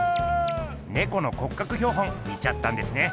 ねこの骨格標本見ちゃったんですね。